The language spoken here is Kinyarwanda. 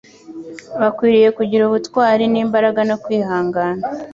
Bakwiriye kugira ubutwari n'imbaraga no kwihangana